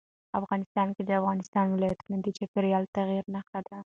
افغانستان کې د افغانستان ولايتونه د چاپېریال د تغیر نښه ده.